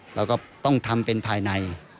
เราก็ต้องทำเป็นภายใน